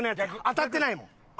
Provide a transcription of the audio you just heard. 当たってないもん。